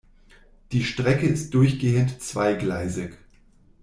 Die Strecke ist durchgehend zweigleisig.